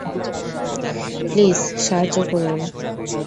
Please সাহায্য করুন।